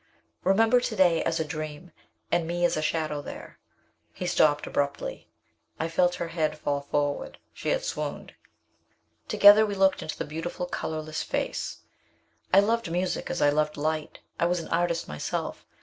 Remember to day as a dream and me as a shadow there " he stopped abruptly. I felt her head fall forward. She had swooned. Together we looked into the beautiful colorless face. I loved music as I loved light. I was an artist myself.